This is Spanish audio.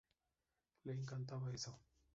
Le encantaba eso.